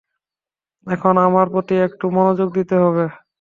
এখন আমার প্রতি একটু মনোযোগ দিতে হবে।